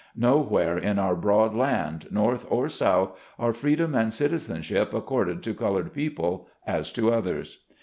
Nowhere in our broad land — North or South — are freedom and citizenship accorded to colored people as to others.